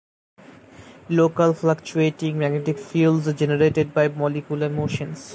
Local fluctuating magnetic fields are generated by molecular motions.